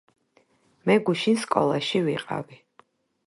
მე გუშინ სკოლაში ვიყავი.